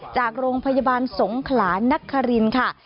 จากโรงพยาบาลสงขลานักฮารินค่ะ